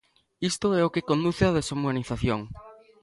Isto é o que conduce á deshumanización.